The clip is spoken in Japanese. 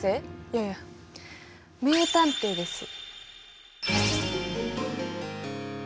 いやいや名探偵です！